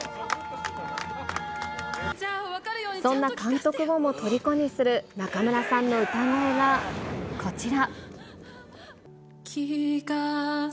そんな監督をもとりこにする中村さんの歌声がこちら。